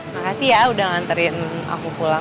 makasih ya udah nganterin aku pulang